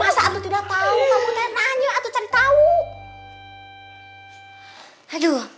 masa saya tidak tahu kamu tanya tanya saya cari tahu